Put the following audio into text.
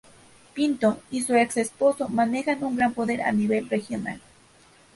Pinto y su ex esposo manejan un gran poder a nivel regional.